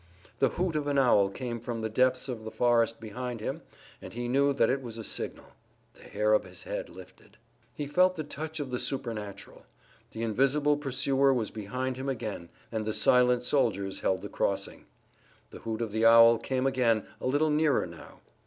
The hoot of an owl came from the depths of the forest behind him and he knew that it was a signal. The hair of his head lifted. He felt the touch of the supernatural. The invisible pursuer was behind him again, and the silent soldiers held the crossing. The hoot of the owl came again, a little nearer now.